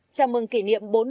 chào mừng kỷ niệm